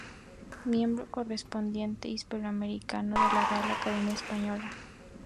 Miembro Correspondiente Hispanoamericano de la Real Academia Española.